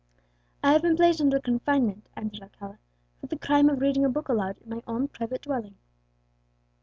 "I have been placed under confinement," answered Alcala, "for the crime of reading a book aloud in my own private dwelling."